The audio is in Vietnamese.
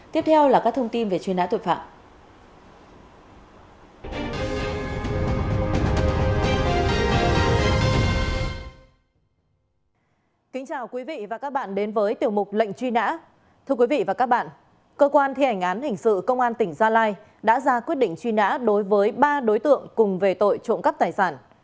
tiếp theo là các thông tin về chuyên đãi tội phạm